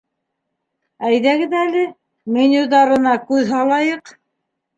Әйҙәгеҙ әле, менюҙарына күҙ һалайыҡ.